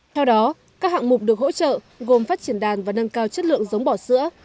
theo đó các hạng mục được hỗ trợ gồm phát triển đàn và nâng cao chất lượng giống bò sữa